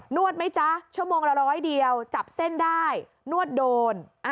วดไหมจ๊ะชั่วโมงละร้อยเดียวจับเส้นได้นวดโดน